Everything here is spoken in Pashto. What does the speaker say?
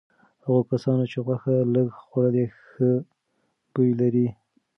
هغو کسانو چې غوښه لږه خوړلي ښه بوی لري.